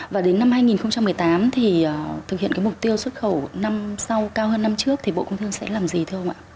và đến năm hai nghìn một mươi tám thì thực hiện mục tiêu xuất khẩu năm sau cao hơn năm trước thì bộ công thương sẽ làm gì thưa ông ạ